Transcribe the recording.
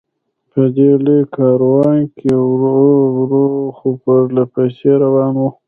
په دې لوی کاروان کې ورو ورو، خو پرله پسې روان و.